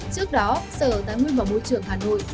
trước đó sở tài nguyên và môi trường hà nội